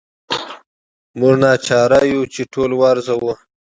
موږ ناچاره یو چې ټول وارزوو.